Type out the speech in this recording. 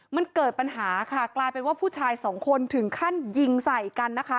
มันเกิดปัญหาค่ะกลายเป็นว่าผู้ชายสองคนถึงขั้นยิงใส่กันนะคะ